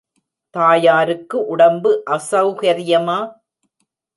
தாயாருக்கு உடம்பு அசௌகரியமா?